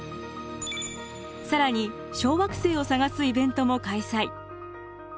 更に小惑星を探すイベントも開催。